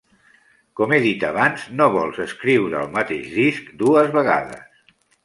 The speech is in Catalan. Com he dit abans, no vols escriure el mateix disc dues vegades.